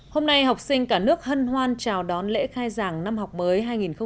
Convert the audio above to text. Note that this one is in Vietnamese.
hôm nay học sinh cả nước hân hoan chào đón lễ khai giảng năm học mới hai nghìn một mươi tám hai nghìn một mươi chín